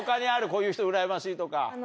こういう人うらやましいとか。